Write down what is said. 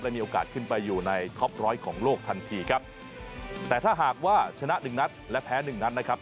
มีโอกาสขึ้นไปอยู่ในท็อปร้อยของโลกทันทีครับแต่ถ้าหากว่าชนะหนึ่งนัดและแพ้หนึ่งนัดนะครับ